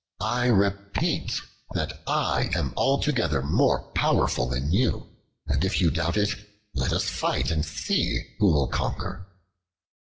I repeat that I am altogether more powerful than you; and if you doubt it, let us fight and see who will conquer."